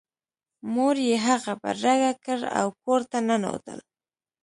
مور یې هغه بدرګه کړ او کور ته ننوتل